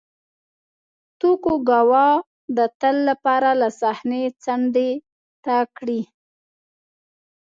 توکوګاوا د تل لپاره له صحنې څنډې ته کړي.